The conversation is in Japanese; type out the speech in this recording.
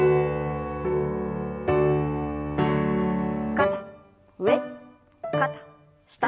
肩上肩下。